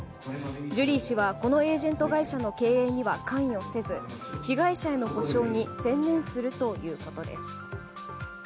ジュリー氏はこのエージェント会社の経営には関与せず被害者への補償に専念するということです。